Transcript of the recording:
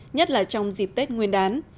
nhất là trong dịp tết nguyên đán